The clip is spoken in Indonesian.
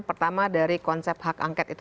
pertama dari konsep hak angket itu